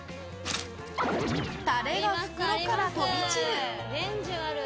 タレが袋から飛び散る！